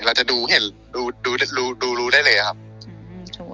เราจะดูเห็นดูรู้ได้เลยอะครับ